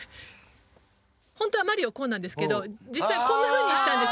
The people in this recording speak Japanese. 本当はマリオこうなんですけど実際こんなふうにしたんです。